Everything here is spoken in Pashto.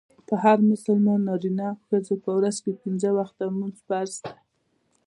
پر هر مسلمان نارينه او ښځي په ورځ کي پنځه وخته لمونځ فرض دئ.